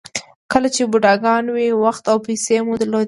کله چې بوډاګان وئ وخت او پیسې مو درلودې.